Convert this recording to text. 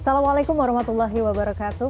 assalamualaikum warahmatullahi wabarakatuh